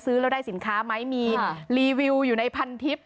ซื้อแล้วได้สินค้าไหมมีรีวิวอยู่ในพันทิพย